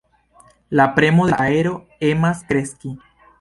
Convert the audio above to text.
La premo de la aero emas kreski.